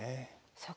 そうか。